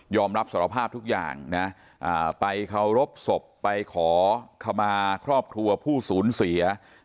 รับสารภาพทุกอย่างนะไปเคารพศพไปขอขมาครอบครัวผู้สูญเสีย